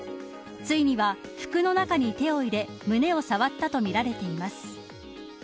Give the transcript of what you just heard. ついには、服の中に手を入れ胸を触ったとみられています。